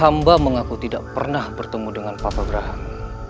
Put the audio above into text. hamba mengaku tidak pernah bertemu dengan papa gerhang